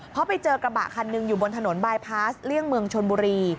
เพราะไปเจอกระบะคันหนึ่งอยู่บนถนนบายพาสเลี่ยงเมืองชนบุรี